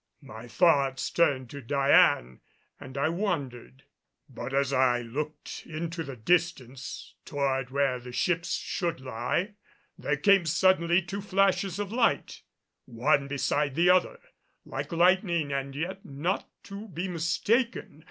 My thoughts turned to Diane and I wondered But as I looked into the distance toward where the ships should lay, there came suddenly two flashes of light, one beside the other, like lightning and yet not to be mistaken.